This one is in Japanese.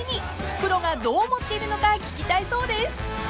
［プロがどう思っているのか聞きたいそうです］